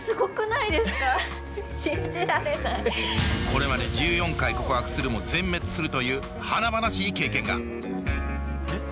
これまで１４回告白するも全滅するという華々しい経験が。